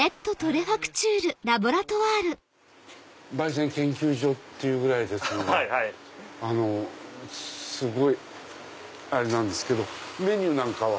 焙煎研究所っていうぐらいですのですごいあれなんですけどメニューなんかは？